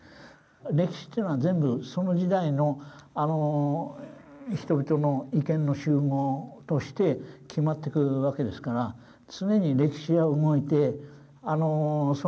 歴史っていうのは全部その時代の人々の意見の集合として決まってくるわけですから常に歴史は動いてその方向はまだ分かりません。